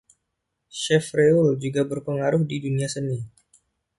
Chevreul juga berpengaruh di dunia seni.